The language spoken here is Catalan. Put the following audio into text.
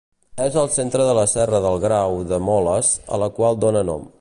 És al centre de la Serra del Grau de Moles, a la qual dóna nom.